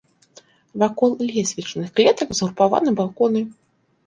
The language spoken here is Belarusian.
Вакол лесвічных клетак згрупаваны балконы.